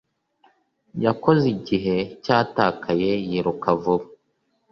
Yakoze igihe cyatakaye yiruka vuba.